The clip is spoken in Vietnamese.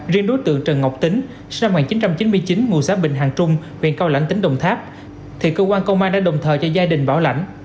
riêng đối tượng trần ngọc tính sinh năm một nghìn chín trăm chín mươi chín ngụ xã bình hàng trung huyện cao lãnh tỉnh đồng tháp thì cơ quan công an đã đồng thời cho gia đình bảo lãnh